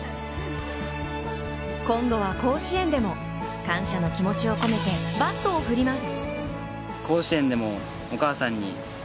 今度は甲子園でも、感謝の気持ちを込めてバットを振ります。